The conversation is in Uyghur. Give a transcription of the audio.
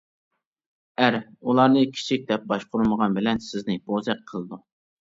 ئەر: ئۇلارنى كىچىك دەپ باشقۇرمىغان بىلەن سىزنى بوزەك قىلىدۇ.